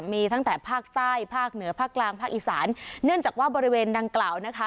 มีตั้งแต่ภาคใต้ภาคเหนือภาคกลางภาคอีสานเนื่องจากว่าบริเวณดังกล่าวนะคะ